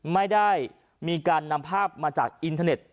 ไม่ได้มีการนำภาพมาจากอินเทอร์เน็ต